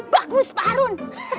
bagus pak harun